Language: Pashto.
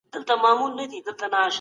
په پخوا کي د دولت دندي محدودي وې.